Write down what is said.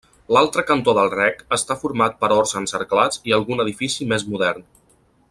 L'altre cantó del Rec està format per horts encerclats i algun edifici més modern.